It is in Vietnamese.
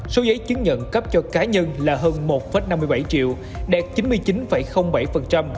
số giấy chứng nhận cấp cho cá nhân là hơn một năm mươi bảy triệu đạt chín mươi chín bảy